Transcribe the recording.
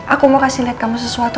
aku mau kasih lihat kamu sesuatu